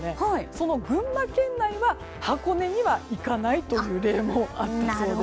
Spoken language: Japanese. その群馬県内は箱根には行かないという例もあったそうです。